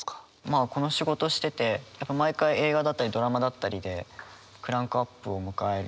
まあこの仕事しててやっぱ毎回映画だったりドラマだったりでクランクアップを迎える時がそれに近いのかなって。